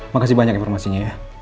makasih banyak informasinya ya